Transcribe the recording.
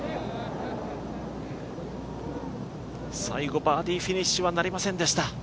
最後、バーディーフィニッシュはなりませんでした。